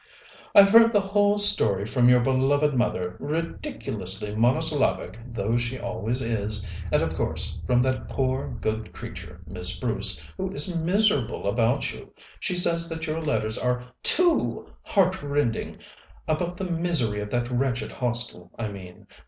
"I've heard the whole story from your beloved mother, ridiculously monosyllabic though she always is, and, of course, from that poor, good creature, Miss Bruce, who is miserable about you. She says that your letters are too heartrending about the misery of that wretched Hostel, I mean.